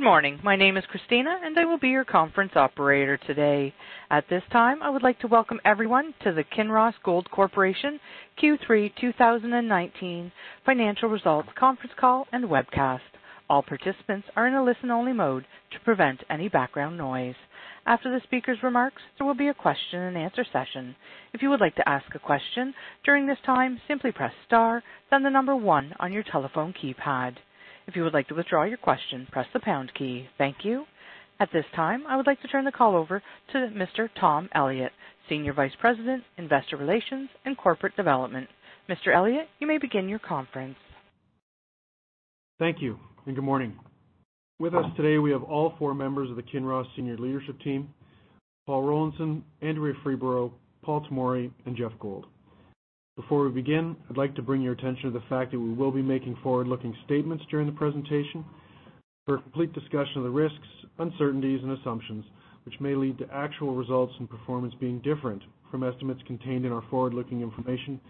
Good morning. My name is Kristina, I will be your conference operator today. At this time, I would like to welcome everyone to the Kinross Gold Corporation Q3 2019 Financial Results Conference Call and Webcast. All participants are in a listen-only mode to prevent any background noise. After the speaker's remarks, there will be a question and answer session. If you would like to ask a question during this time, simply press star, then the number 1 on your telephone keypad. If you would like to withdraw your question, press the pound key. Thank you. At this time, I would like to turn the call over to Mr. Tom Elliott, Senior Vice President, Investor Relations and Corporate Development. Mr. Elliott, you may begin your conference. Thank you, good morning. With us today, we have all four members of the Kinross senior leadership team, Paul Rollinson, Andrea Freeborough, Paul Tomory, and Geoff Gold. Before we begin, I'd like to bring your attention to the fact that we will be making forward-looking statements during the presentation. For a complete discussion of the risks, uncertainties, and assumptions which may lead to actual results and performance being different from estimates contained in our forward-looking information,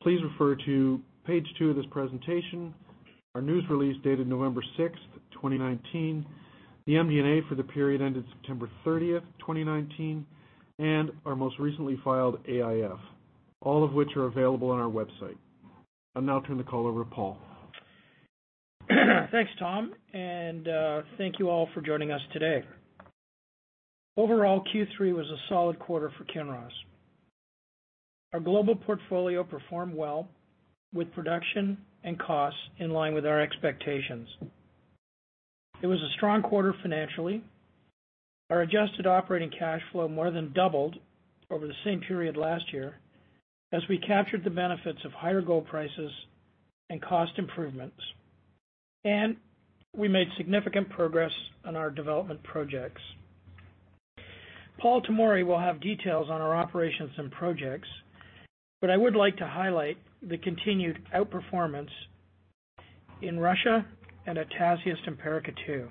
please refer to page two of this presentation, our news release dated November 6th, 2019, the MD&A for the period ended September 30th, 2019, and our most recently filed AIF, all of which are available on our website. I'll now turn the call over to Paul. Thanks, Tom, thank you all for joining us today. Overall, Q3 was a solid quarter for Kinross. Our global portfolio performed well with production and costs in line with our expectations. It was a strong quarter financially. Our adjusted operating cash flow more than doubled over the same period last year, as we captured the benefits of higher gold prices and cost improvements, and we made significant progress on our development projects. Paul Tomory will have details on our operations and projects, but I would like to highlight the continued outperformance in Russia and at Tasiast and Paracatu.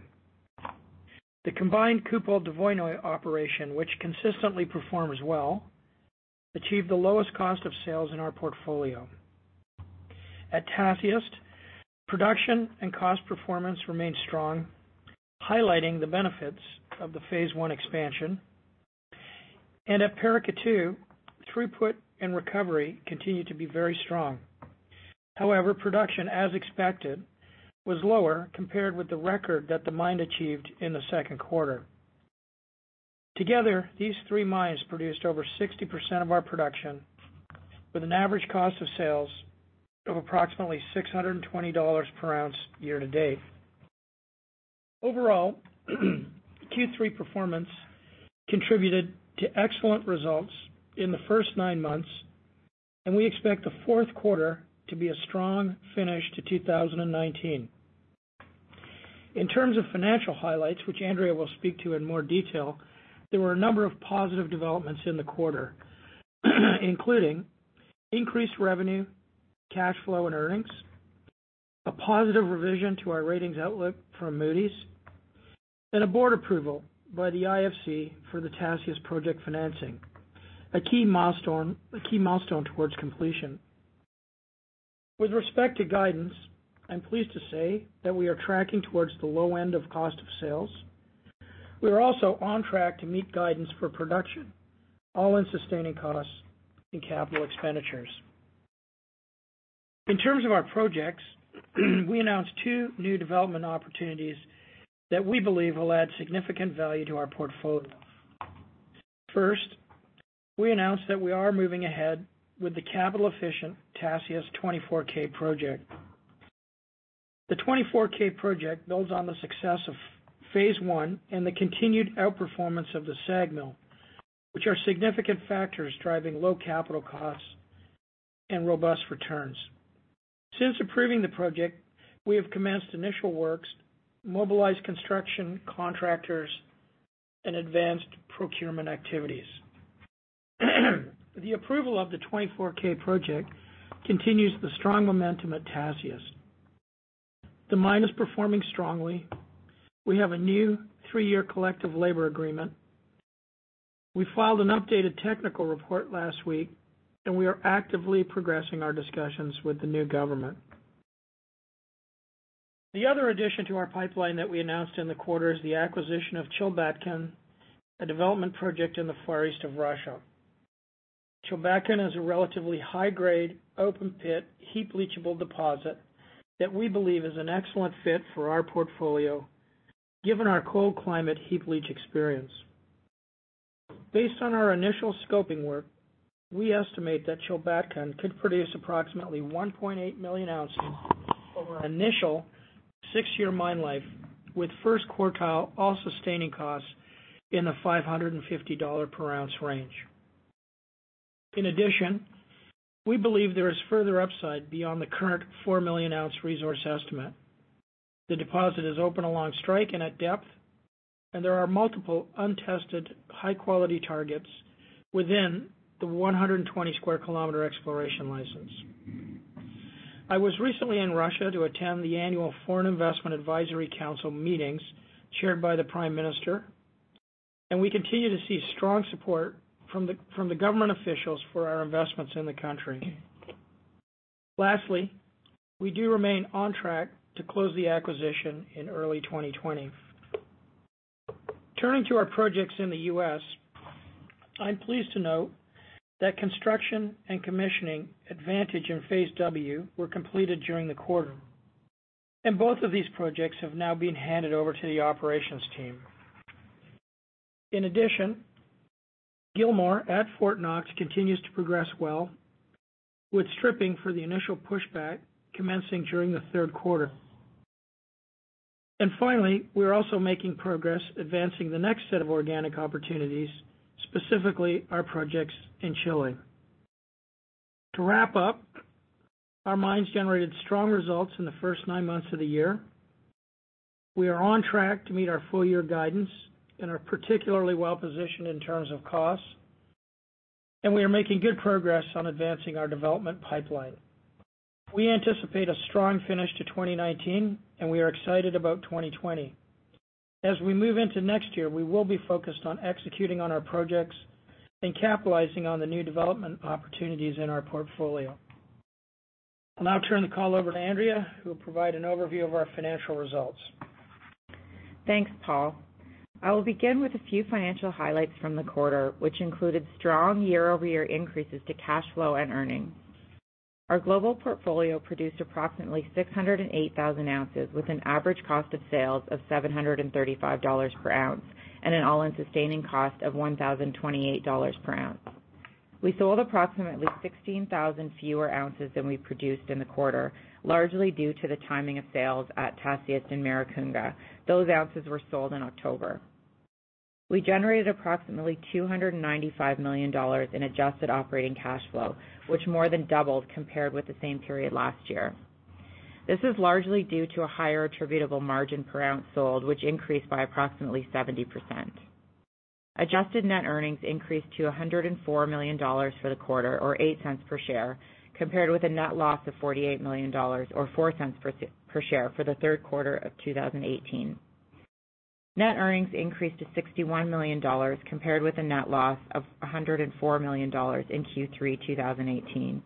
The combined Kupol Dvoinoye operation, which consistently performs well, achieved the lowest cost of sales in our portfolio. At Tasiast, production and cost performance remained strong, highlighting the benefits of the phase one expansion. At Paracatu, throughput and recovery continued to be very strong. Production, as expected, was lower compared with the record that the mine achieved in the second quarter. Together, these three mines produced over 60% of our production with an average cost of sales of approximately $620 per ounce year to date. Overall, Q3 performance contributed to excellent results in the first nine months, and we expect the fourth quarter to be a strong finish to 2019. In terms of financial highlights, which Andrea will speak to in more detail, there were a number of positive developments in the quarter, including increased revenue, cash flow, and earnings, a positive revision to our ratings outlook from Moody's, and a board approval by the IFC for the Tasiast project financing, a key milestone towards completion. With respect to guidance, I'm pleased to say that we are tracking towards the low end of cost of sales. We are also on track to meet guidance for production, all-in sustaining costs, and capital expenditures. In terms of our projects, we announced two new development opportunities that we believe will add significant value to our portfolio. First, we announced that we are moving ahead with the capital-efficient Tasiast 24k project. The 24k project builds on the success of Phase 1 and the continued outperformance of the SAG mill, which are significant factors driving low capital costs and robust returns. Since approving the project, we have commenced initial works, mobilized construction contractors, and advanced procurement activities. The approval of the 24k project continues the strong momentum at Tasiast. The mine is performing strongly. We have a new three-year collective labor agreement. We filed an updated technical report last week. We are actively progressing our discussions with the new government. The other addition to our pipeline that we announced in the quarter is the acquisition of Chulbatkan, a development project in the Far East of Russia. Chulbatkan is a relatively high-grade open pit heap leachable deposit that we believe is an excellent fit for our portfolio given our cold climate heap leach experience. Based on our initial scoping work, we estimate that Chulbatkan could produce approximately 1.8 million ounces over an initial six-year mine life with first quartile all-in sustaining costs in the $550 per ounce range. In addition, we believe there is further upside beyond the current 4 million ounce resource estimate. The deposit is open along strike and at depth, there are multiple untested high-quality targets within the 120 square kilometer exploration license. I was recently in Russia to attend the annual Foreign Investment Advisory Council meetings chaired by the Prime Minister. We continue to see strong support from the government officials for our investments in the country. Lastly, we do remain on track to close the acquisition in early 2020. Turning to our projects in the U.S., I'm pleased to note that construction and commissioning Vantage and Phase W were completed during the quarter, and both of these projects have now been handed over to the operations team. In addition, Gilmore at Fort Knox continues to progress well with stripping for the initial pushback commencing during the third quarter. Finally, we are also making progress advancing the next set of organic opportunities, specifically our projects in Chile. To wrap up, our mines generated strong results in the first nine months of the year. We are on track to meet our full-year guidance and are particularly well-positioned in terms of costs, and we are making good progress on advancing our development pipeline. We anticipate a strong finish to 2019, and we are excited about 2020. As we move into next year, we will be focused on executing on our projects and capitalizing on the new development opportunities in our portfolio. I'll now turn the call over to Andrea, who will provide an overview of our financial results. Thanks, Paul. I will begin with a few financial highlights from the quarter, which included strong year-over-year increases to cash flow and earnings. Our global portfolio produced approximately 608,000 ounces with an average cost of sales of $735 per ounce and an all-in sustaining cost of $1,028 per ounce. We sold approximately 16,000 fewer ounces than we produced in the quarter, largely due to the timing of sales at Tasiast and Maricunga. Those ounces were sold in October. We generated approximately $295 million in adjusted operating cash flow, which more than doubled compared with the same period last year. This is largely due to a higher attributable margin per ounce sold, which increased by approximately 70%. Adjusted net earnings increased to $104 million for the quarter, or $0.08 per share, compared with a net loss of $48 million or $0.04 per share for the third quarter of 2018. Net earnings increased to $61 million compared with a net loss of $104 million in Q3 2018.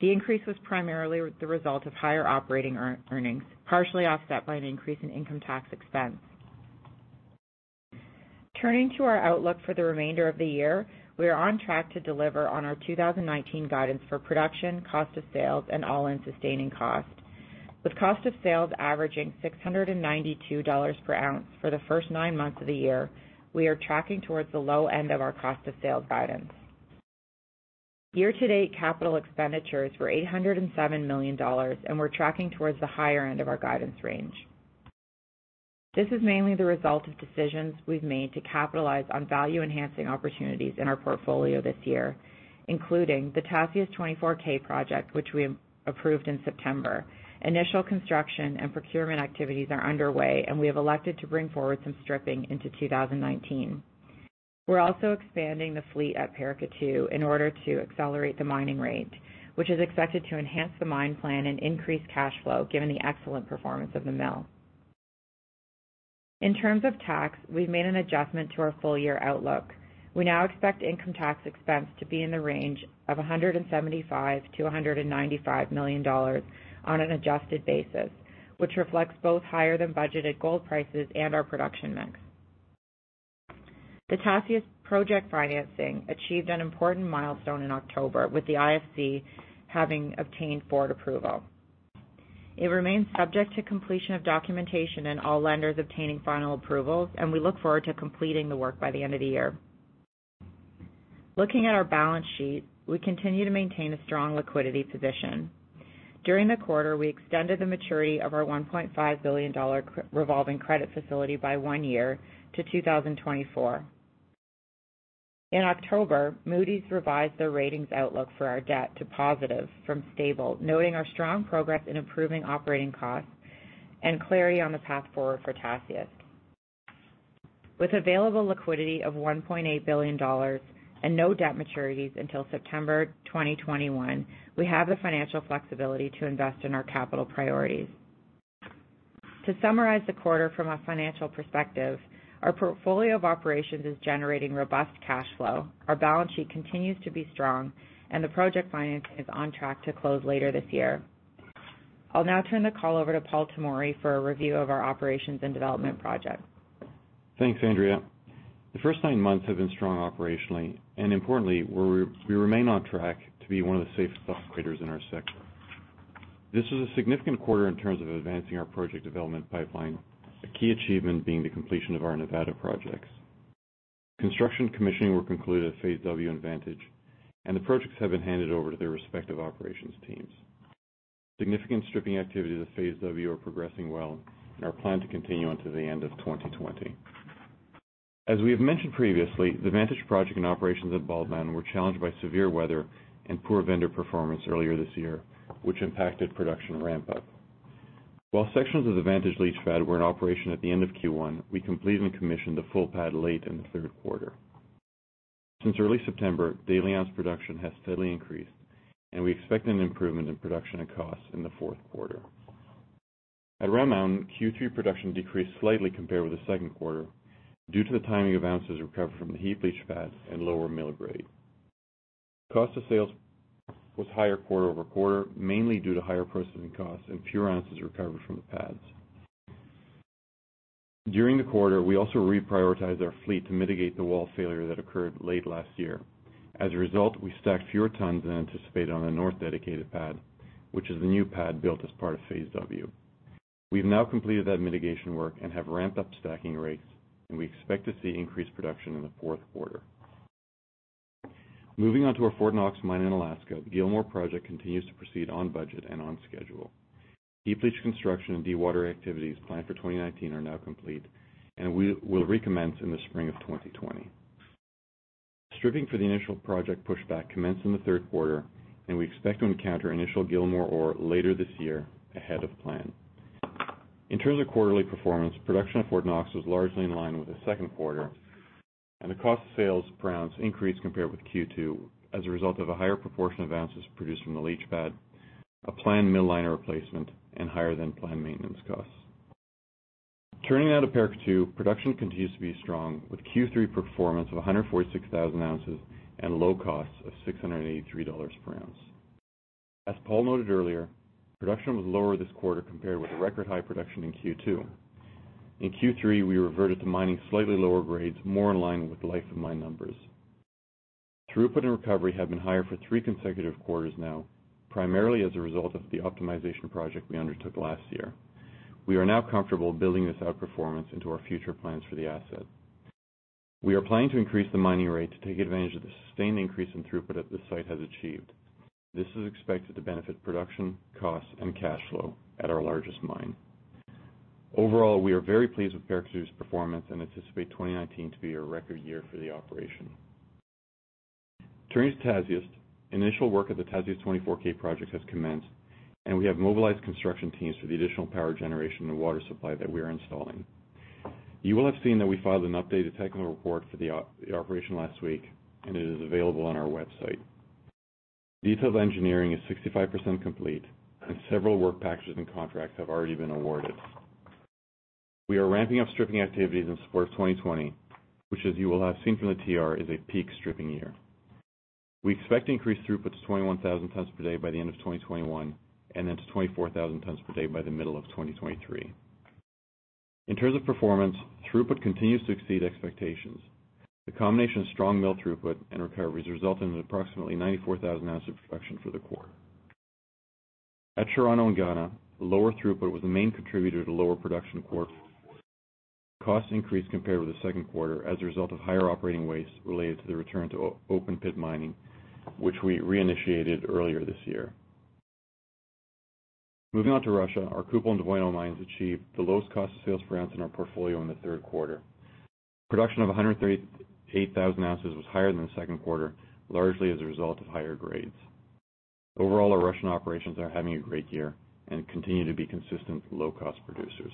The increase was primarily the result of higher operating earnings, partially offset by an increase in income tax expense. Turning to our outlook for the remainder of the year, we are on track to deliver on our 2019 guidance for production, cost of sales, and all-in sustaining cost. With cost of sales averaging $692 per ounce for the first nine months of the year, we are tracking towards the low end of our cost of sales guidance. Year-to-date capital expenditures were $807 million, and we're tracking towards the higher end of our guidance range. This is mainly the result of decisions we've made to capitalize on value-enhancing opportunities in our portfolio this year, including the Tasiast 24k project, which we approved in September. Initial construction and procurement activities are underway, and we have elected to bring forward some stripping into 2019. We're also expanding the fleet at Paracatu in order to accelerate the mining rate, which is expected to enhance the mine plan and increase cash flow given the excellent performance of the mill. In terms of tax, we've made an adjustment to our full-year outlook. We now expect income tax expense to be in the range of $175 million-$195 million on an adjusted basis, which reflects both higher than budgeted gold prices and our production mix. The Tasiast project financing achieved an important milestone in October, with the IFC having obtained board approval. It remains subject to completion of documentation and all lenders obtaining final approvals, and we look forward to completing the work by the end of the year. Looking at our balance sheet, we continue to maintain a strong liquidity position. During the quarter, we extended the maturity of our $1.5 billion revolving credit facility by one year to 2024. In October, Moody's revised their ratings outlook for our debt to positive from stable, noting our strong progress in improving operating costs and clarity on the path forward for Tasiast. With available liquidity of $1.8 billion and no debt maturities until September 2021, we have the financial flexibility to invest in our capital priorities. To summarize the quarter from a financial perspective, our portfolio of operations is generating robust cash flow, our balance sheet continues to be strong, and the project financing is on track to close later this year. I'll now turn the call over to Paul Tomory for a review of our operations and development projects. Thanks, Andrea. The first nine months have been strong operationally, and importantly, we remain on track to be one of the safest operators in our sector. This was a significant quarter in terms of advancing our project development pipeline, a key achievement being the completion of our Nevada projects. Construction commissioning were concluded at Phase W in Vantage, and the projects have been handed over to their respective operations teams. Significant stripping activities at Phase W are progressing well and are planned to continue until the end of 2020. As we have mentioned previously, the Vantage project and operations at Bald Mountain were challenged by severe weather and poor vendor performance earlier this year, which impacted production ramp-up. While sections of the Vantage leach pad were in operation at the end of Q1, we completed and commissioned the full pad late in the third quarter. Since early September, daily ounce production has steadily increased. We expect an improvement in production and cost in the fourth quarter. At Round Mountain, Q3 production decreased slightly compared with the second quarter due to the timing of ounces recovered from the heap leach pads and lower mill grade. Cost of sales was higher quarter-over-quarter, mainly due to higher processing costs and fewer ounces recovered from the pads. During the quarter, we also reprioritized our fleet to mitigate the wall failure that occurred late last year. As a result, we stacked fewer tons than anticipated on the north dedicated pad, which is the new pad built as part of Phase W. We've now completed that mitigation work and have ramped up stacking rates. We expect to see increased production in the fourth quarter. Moving on to our Fort Knox mine in Alaska, the Gilmore project continues to proceed on budget and on schedule. Heap leach construction and dewater activities planned for 2019 are now complete and will recommence in the spring of 2020. Stripping for the initial project pushback commenced in the third quarter. We expect to encounter initial Gilmore ore later this year, ahead of plan. In terms of quarterly performance, production at Fort Knox was largely in line with the second quarter. The cost of sales per ounce increased compared with Q2 as a result of a higher proportion of ounces produced from the leach pad, a planned mill liner replacement, and higher than planned maintenance costs. Turning now to Paracatu, production continues to be strong with Q3 performance of 146,000 ounces and low costs of $683 per ounce. As Paul noted earlier, production was lower this quarter compared with the record high production in Q2. In Q3, we reverted to mining slightly lower grades, more in line with life of mine numbers. Throughput and recovery have been higher for three consecutive quarters now, primarily as a result of the optimization project we undertook last year. We are now comfortable building this outperformance into our future plans for the asset. We are planning to increase the mining rate to take advantage of the sustained increase in throughput that this site has achieved. This is expected to benefit production costs and cash flow at our largest mine. Overall, we are very pleased with Paracatu's performance and anticipate 2019 to be a record year for the operation. Turning to Tasiast. Initial work at the Tasiast 24k project has commenced. We have mobilized construction teams for the additional power generation and water supply that we are installing. You will have seen that we filed an updated technical report for the operation last week. It is available on our website. Detailed engineering is 65% complete. Several work packages and contracts have already been awarded. We are ramping up stripping activities in support of 2020, which, as you will have seen from the TR, is a peak stripping year. We expect increased throughput to 21,000 tons per day by the end of 2021. Then to 24,000 tons per day by the middle of 2023. In terms of performance, throughput continues to exceed expectations. The combination of strong mill throughput and recoveries resulted in approximately 94,000 ounces of production for the quarter. At Chirano in Ghana, lower throughput was the main contributor to lower production quarter over quarter. Costs increased compared with the second quarter as a result of higher operating waste related to the return to open pit mining, which we reinitiated earlier this year. Moving on to Russia, our Kupol and Dvoinoye mines achieved the lowest cost of sales per ounce in our portfolio in the third quarter. Production of 138,000 ounces was higher than the second quarter, largely as a result of higher grades. Overall, our Russian operations are having a great year and continue to be consistent low-cost producers.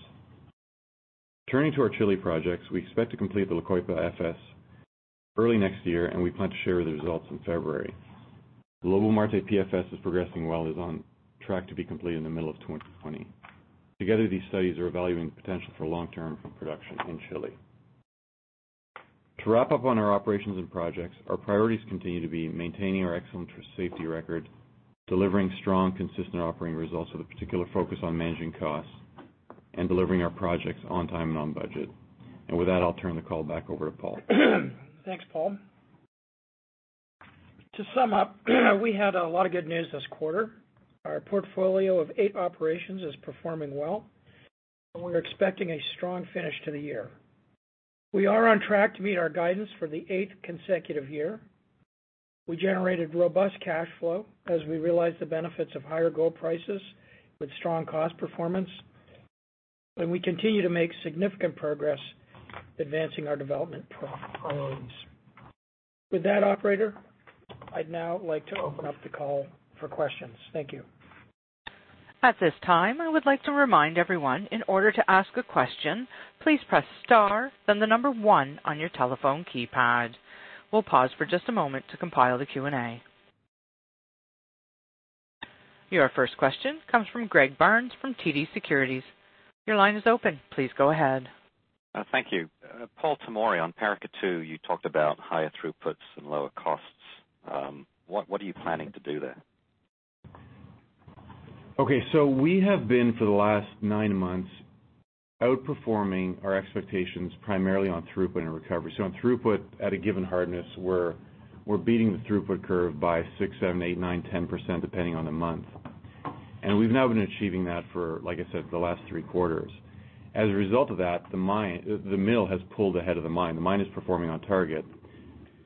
Turning to our Chile projects, we expect to complete the La Coipa PFS early next year, and we plan to share the results in February. The Lobo-Marte PFS is progressing well, is on track to be completed in the middle of 2020. Together, these studies are evaluating the potential for long-term production in Chile. To wrap up on our operations and projects, our priorities continue to be maintaining our excellent safety record, delivering strong, consistent operating results with a particular focus on managing costs, and delivering our projects on time and on budget. With that, I'll turn the call back over to Paul. Thanks, Paul. To sum up, we had a lot of good news this quarter. Our portfolio of eight operations is performing well, and we're expecting a strong finish to the year. We are on track to meet our guidance for the eighth consecutive year. We generated robust cash flow as we realize the benefits of higher gold prices with strong cost performance, and we continue to make significant progress advancing our development priorities. With that, operator, I'd now like to open up the call for questions. Thank you. At this time, I would like to remind everyone, in order to ask a question, please press star, then the number one on your telephone keypad. We'll pause for just a moment to compile the Q&A. Your first question comes from Greg Barnes from TD Securities. Your line is open. Please go ahead. Thank you. Paul Tomory, on Paracatu, you talked about higher throughputs and lower costs. What are you planning to do there? Okay, we have been, for the last nine months, outperforming our expectations primarily on throughput and recovery. On throughput, at a given hardness, we're beating the throughput curve by 6%, 7%, 8%, 9%, 10%, depending on the month. We've now been achieving that for, like I said, the last three quarters. As a result of that, the mill has pulled ahead of the mine. The mine is performing on target,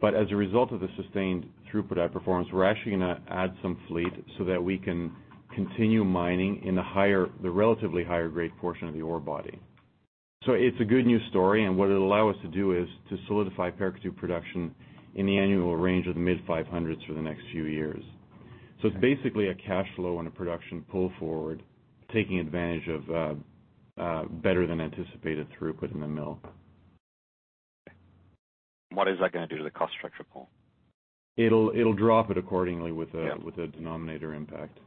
as a result of the sustained throughput outperformance, we're actually going to add some fleet so that we can continue mining in the relatively higher grade portion of the ore body. It's a good news story, and what it'll allow us to do is to solidify Paracatu production in the annual range of the mid-500s for the next few years. It's basically a cash flow and a production pull forward, taking advantage of better than anticipated throughput in the mill. What is that going to do to the cost structure, Paul? It'll drop it accordingly. Yeah with a denominator impact.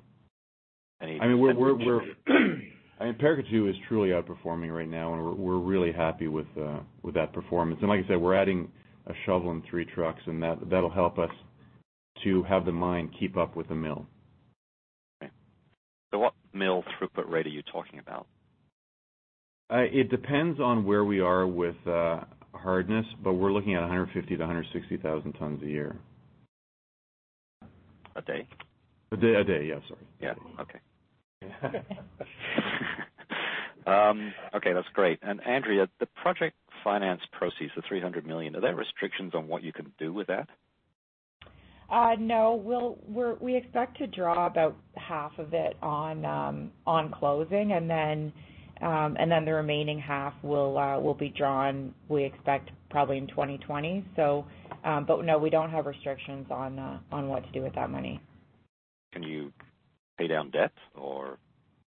Any- I mean, Paracatu is truly outperforming right now, and we're really happy with that performance. Like I said, we're adding a shovel and three trucks, and that'll help us to have the mine keep up with the mill. Okay. What mill throughput rate are you talking about? It depends on where we are with hardness, but we're looking at 150 tons-160,000 tons a year. A day? A day. Yeah, sorry. Yeah. Okay. Okay, that's great. Andrea, the project finance proceeds, the $300 million, are there restrictions on what you can do with that? No. We expect to draw about half of it on closing, and then the remaining half will be drawn, we expect probably in 2020. No, we don't have restrictions on what to do with that money. Can you pay down debt or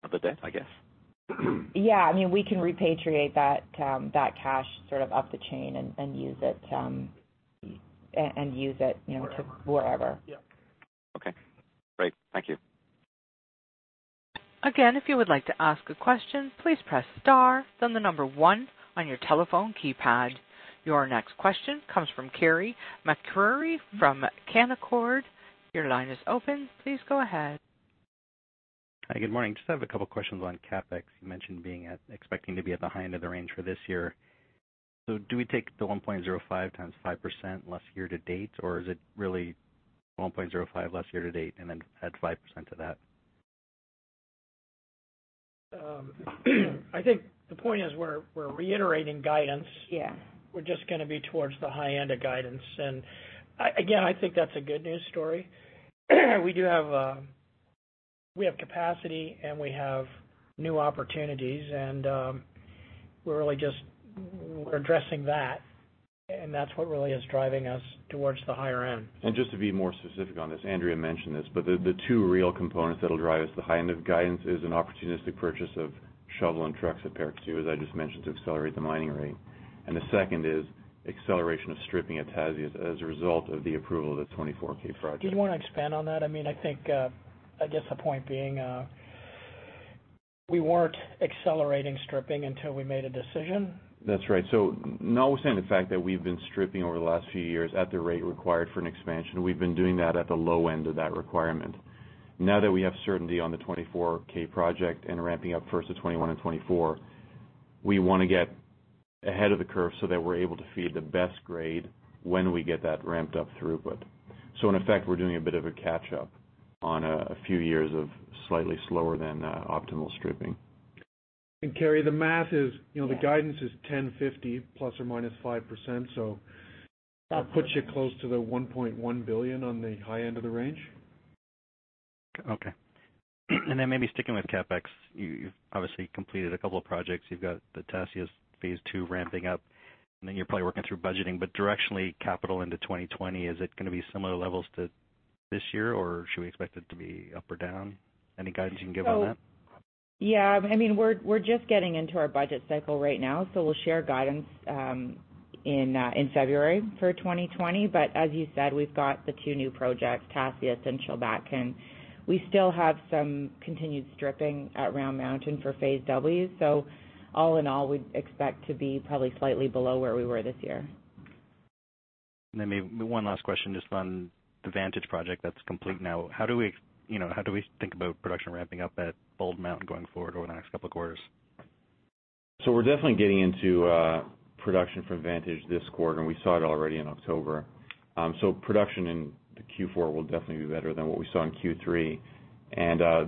other debt, I guess? Yeah, we can repatriate that cash sort of up the chain and use it to, wherever. Yeah. Okay, great. Thank you. Again, if you would like to ask a question, please press star, then the number 1 on your telephone keypad. Your next question comes from Carey MacRury from Canaccord. Your line is open. Please go ahead. Hi, good morning. Just have a couple questions on CapEx. You mentioned expecting to be at the high end of the range for this year. Do we take the 1.05 times 5% less year to date, or is it really 1.05 less year to date and then add 5% to that? I think the point is we're reiterating guidance. Yeah. We're just going to be towards the high end of guidance. Again, I think that's a good news story. We have capacity, and we have new opportunities, and we're addressing that, and that's what really is driving us towards the higher end. Just to be more specific on this, Andrea mentioned this, the two real components that'll drive us to the high end of guidance is an opportunistic purchase of shovel and trucks at Paracatu, as I just mentioned, to accelerate the mining rate. The second is acceleration of stripping at Tasiast as a result of the approval of the 24k project. Do you want to expand on that? I think, I guess the point being, we weren't accelerating stripping until we made a decision. That's right. Notwithstanding the fact that we've been stripping over the last few years at the rate required for an expansion, we've been doing that at the low end of that requirement. Now that we have certainty on the 24k project and ramping up first to 21 and 24, we want to get ahead of the curve so that we're able to feed the best grade when we get that ramped up throughput. In effect, we're doing a bit of a catch-up on a few years of slightly slower than optimal stripping. Carey, the math is, the guidance is $1,050 ±5%, so that puts you close to the $1.1 billion on the high end of the range. Okay. Then maybe sticking with CapEx, you've obviously completed a couple of projects. You've got the Tasiast Phase 2 ramping up, and then you're probably working through budgeting, but directionally capital into 2020, is it going to be similar levels to this year, or should we expect it to be up or down? Any guidance you can give on that? Yeah. We're just getting into our budget cycle right now. We'll share guidance in February for 2020. As you said, we've got the two new projects, Tasiast and Chulbatkan. We still have some continued stripping at Round Mountain for Phase W. All in all, we'd expect to be probably slightly below where we were this year. Maybe one last question just on the Vantage project that's complete now. How do we think about production ramping up at Bald Mountain going forward over the next couple of quarters? We're definitely getting into production for Vantage this quarter, and we saw it already in October. Production in Q4 will definitely be better than what we saw in Q3.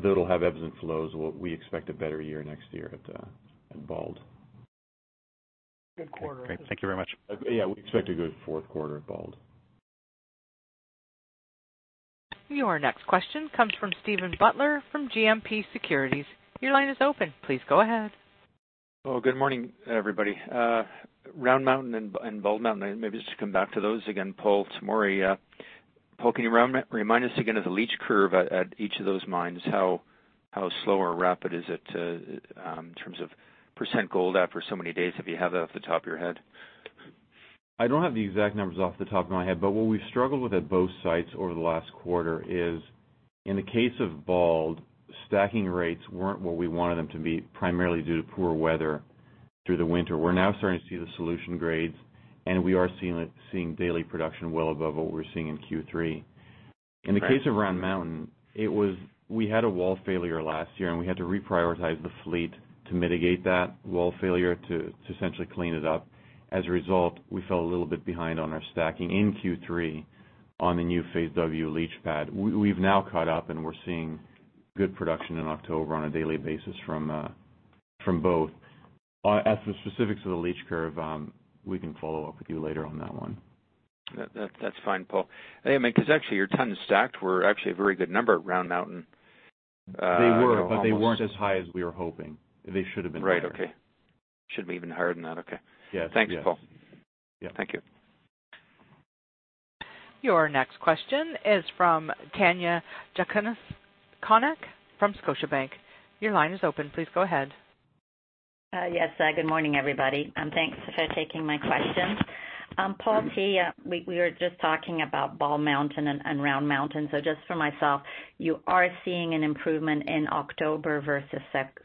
That'll have ebbs and flows. We expect a better year next year at Bald. Good quarter. Okay. Great. Thank you very much. Yeah, we expect a good fourth quarter at Bald. Your next question comes from Steven Butler from GMP Securities. Your line is open. Please go ahead. Well, good morning, everybody. Round Mountain and Bald Mountain, maybe just to come back to those again, Paul. It is more a poking around. Remind us again of the leach curve at each of those mines. How slow or rapid is it in terms of % gold after so many days, if you have that off the top of your head? I don't have the exact numbers off the top of my head, but what we've struggled with at both sites over the last quarter is in the case of Bald, stacking rates weren't what we wanted them to be, primarily due to poor weather through the winter. We're now starting to see the solution grades, and we are seeing daily production well above what we were seeing in Q3. In the case of Round Mountain, we had a wall failure last year, and we had to reprioritize the fleet to mitigate that wall failure to essentially clean it up. As a result, we fell a little bit behind on our stacking in Q3 on the new Phase W leach pad. We've now caught up, and we're seeing good production in October on a daily basis from both. As for the specifics of the leach curve, we can follow up with you later on that one. That's fine, Paul. Actually your tons stacked were actually a very good number at Round Mountain. They were, but they weren't as high as we were hoping. They should've been higher. Right. Okay. Should be even higher than that. Okay. Yes. Thanks, Paul. Yeah. Thank you. Your next question is from Tanya Jakusconek from Scotiabank. Your line is open. Please go ahead. Yes. Good morning, everybody. Thanks for taking my question. Paul T, we were just talking about Bald Mountain and Round Mountain. Just for myself, you are seeing an improvement in October versus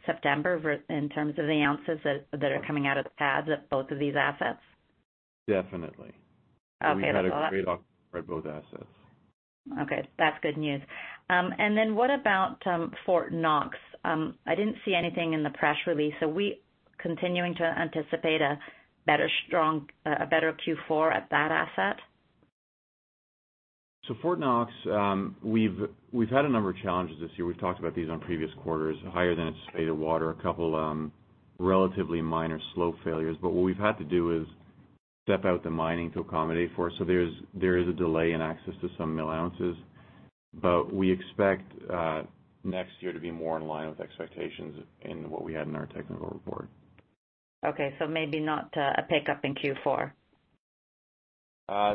September in terms of the ounces that are coming out of the pads at both of these assets? Definitely. Okay. We had a great October at both assets. Okay. That's good news. What about Fort Knox? I didn't see anything in the press release. Are we continuing to anticipate a better Q4 at that asset? Fort Knox, we've had a number of challenges this year. We've talked about these on previous quarters, higher than anticipated water, a couple relatively minor slope failures. What we've had to do is step out the mining to accommodate for it. There is a delay in access to some mill ounces, but we expect next year to be more in line with expectations in what we had in our technical report. Okay, maybe not a pickup in Q4.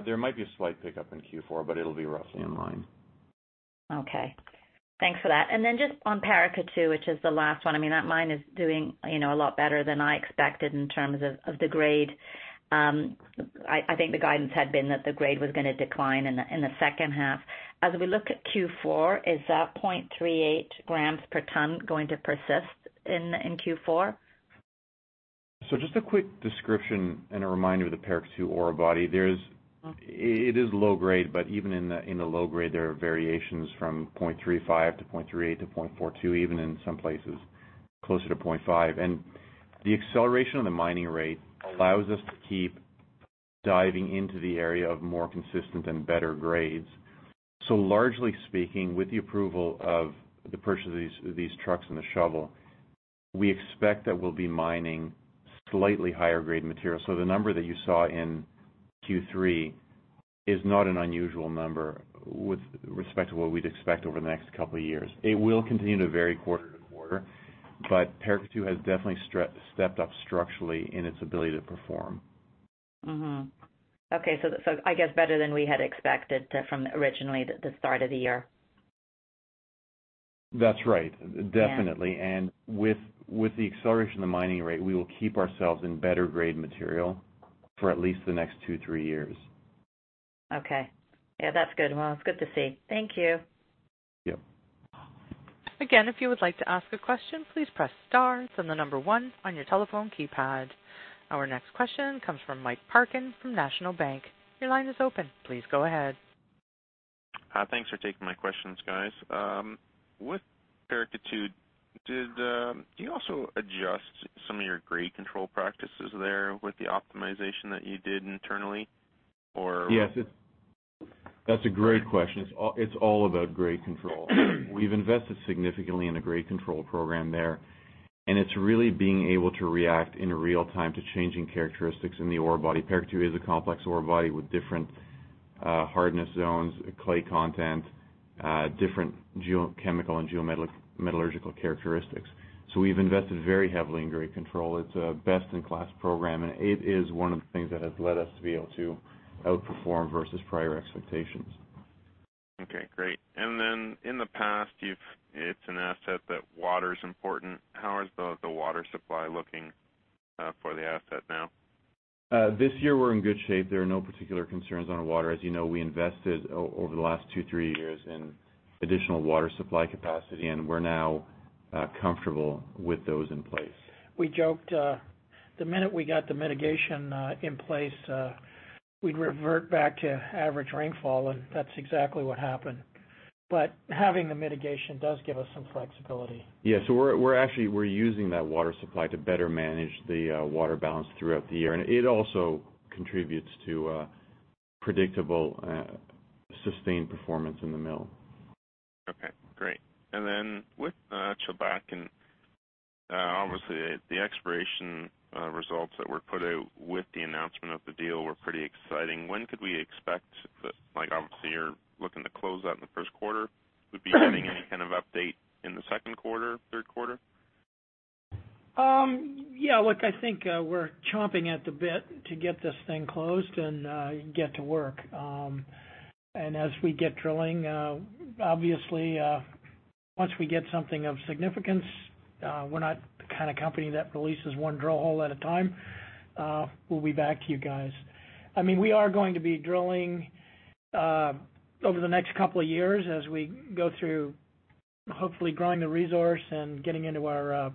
There might be a slight pickup in Q4, but it'll be roughly in line. Okay. Thanks for that. Just on Paracatu, which is the last one, I mean, that mine is doing a lot better than I expected in terms of the grade. I think the guidance had been that the grade was going to decline in the second half. As we look at Q4, is that 0.38 grams per ton going to persist in Q4? Just a quick description and a reminder of the Paracatu ore body. It is low grade, but even in the low grade, there are variations from 0.35 to 0.38 to 0.42, even in some places closer to 0.5. The acceleration of the mining rate allows us to keep diving into the area of more consistent and better grades. Largely speaking, with the approval of the purchase of these trucks and the shovel, we expect that we'll be mining slightly higher grade material. The number that you saw in Q3 is not an unusual number with respect to what we'd expect over the next couple of years. It will continue to vary quarter-to-quarter, but Paracatu has definitely stepped up structurally in its ability to perform. Mm-hmm. Okay. I guess better than we had expected from originally the start of the year. That's right, definitely. Yeah. With the acceleration of the mining rate, we will keep ourselves in better grade material for at least the next two, three years. Okay. Yeah, that's good. Well, it's good to see. Thank you. Yeah. Again, if you would like to ask a question, please press star then the number one on your telephone keypad. Our next question comes from Mike Parkin from National Bank. Your line is open. Please go ahead. Thanks for taking my questions, guys. With Paracatu, do you also adjust some of your grade control practices there with the optimization that you did internally, or? Yes, that's a great question. It's all about grade control. We've invested significantly in a grade control program there, and it's really being able to react in real time to changing characteristics in the ore body. Paracatu is a complex ore body with different hardness zones, clay content, different geochemical and geometallurgical characteristics. We've invested very heavily in grade control. It's a best-in-class program, and it is one of the things that has led us to be able to outperform versus prior expectations. Okay, great. In the past, it's an asset that water is important. How is the water supply looking for the asset now? This year, we're in good shape. There are no particular concerns on the water. As you know, we invested over the last two, three years in additional water supply capacity, and we're now comfortable with those in place. We joked the minute we got the mitigation in place, we'd revert back to average rainfall, and that's exactly what happened. Having the mitigation does give us some flexibility. Yeah. We're using that water supply to better manage the water balance throughout the year, and it also contributes to predictable, sustained performance in the mill. Okay, great. With Chulbatkan, obviously the exploration results that were put out with the announcement of the deal were pretty exciting. When could we expect, obviously you're looking to close that in the first quarter, would we be getting any kind of update in the second quarter, third quarter? Yeah, look, I think we're chomping at the bit to get this thing closed and get to work. As we get drilling, obviously, once we get something of significance, we're not the kind of company that releases one drill hole at a time. We'll be back to you guys. I mean, we are going to be drilling over the next couple of years as we go through, hopefully growing the resource and getting into our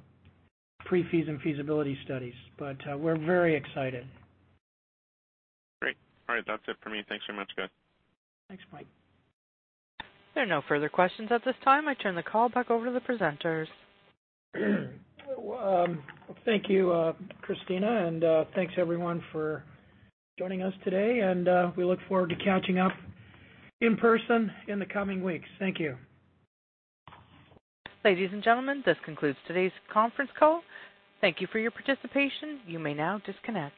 PFS and feasibility studies. We're very excited. Great. All right. That's it for me. Thanks very much, guys. Thanks, Mike. There are no further questions at this time. I turn the call back over to the presenters. Thank you, Kristina, and thanks everyone for joining us today, and we look forward to catching up in person in the coming weeks. Thank you. Ladies and gentlemen, this concludes today's conference call. Thank you for your participation. You may now disconnect.